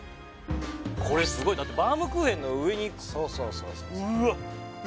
これすごいだってバウムクーヘンの上にそうそうそううわっ